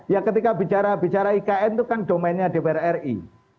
ya ketika bicara bicara ikn itu kan domainnya dpr ri